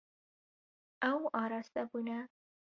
Ew araste bûne.